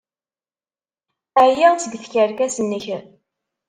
Ɛyiɣ seg tkerkas-nnek!